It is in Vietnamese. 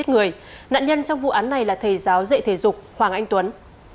giáo dạy thể dục hoàng anh tuấn